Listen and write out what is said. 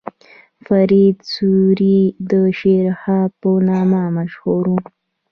فرید سوري د شیرشاه په نامه مشهور و.